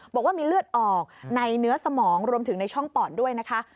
บอกว่ามีเลือดออกในเนื้อสมองรวมถึงในช่องปอดด้วยนะคะ